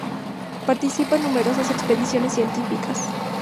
Participa en numerosas expediciones científicas.